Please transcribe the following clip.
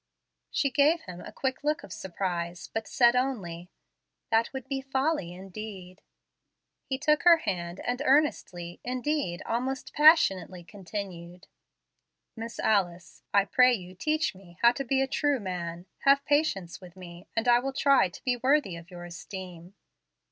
'" She gave him a quick look of surprise, but said only, "That would be folly indeed." He took her hand, and earnestly, indeed almost passionately continued: "Miss Alice, I pray you teach me how to be a true man. Have patience with me, and I will try to be worthy of your esteem.